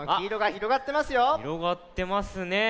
ひろがってますね。